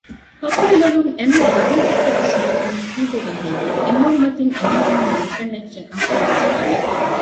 ބައްޕަގެ ލޮލުން އެންމެ ކަރުނަ ތިއްކެއްވެސް ނުވެއްޓުނީ ކީއްވެގެން ހެއްޔެވެ؟ އެމޫނުމަތިން އެހެންމީހުންނަށް ނުފެންނަ އެއްޗެއް އަހަރެނަށް އެބަފެނެ